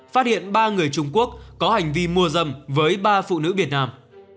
phát hiện ba người trung quốc có hành vi mua dâm với ba phụ nữ việt nam